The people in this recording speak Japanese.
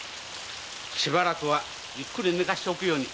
しばらくはゆっくり寝かせておくように。